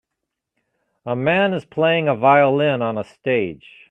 A man is playing a violin on a stage.